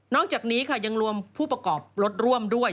จากนี้ค่ะยังรวมผู้ประกอบรถร่วมด้วย